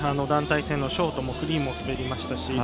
団体戦のショートもフリーも滑りましたし